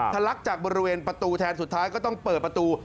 ลักจากบริเวณประตูแทนสุดท้ายก็ต้องเปิดประตู